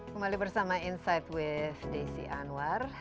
kembali bersama insight with desi anwar